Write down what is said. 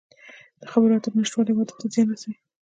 د خبرو اترو نشتوالی واده ته زیان رسوي.